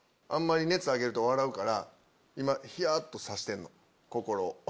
あんまり熱上げると笑うから今ヒヤっとさせてんの心を。